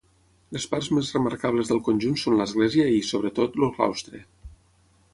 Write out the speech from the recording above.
Les parts més remarcables del conjunt són l'església i, sobretot, el claustre.